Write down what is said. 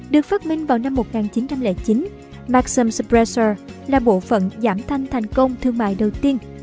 được phát minh vào năm một nghìn chín trăm linh chín maxims pracil là bộ phận giảm thanh thành công thương mại đầu tiên